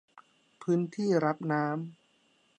พื้นที่รับน้ำ